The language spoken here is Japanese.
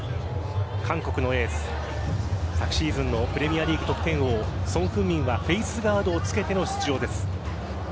韓国のエース昨シーズンのプレミアリーグ得点王ソン・フンミンはフェースガードをつけての出場です。